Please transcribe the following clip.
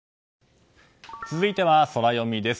続いてはソラよみです。